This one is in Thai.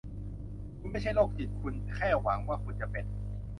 คุณไม่ใช่โรคจิตคุณแค่หวังว่าคุณจะเป็น ?